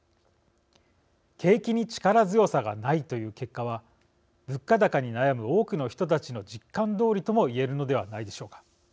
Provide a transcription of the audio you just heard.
景気に力強さがないという結果は物価高に悩む多くの人たちの実感どおりとも言えるのではないでしょうか。